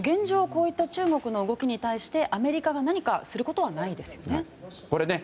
こういった中国の動きに対してアメリカが何かすることはないですよね。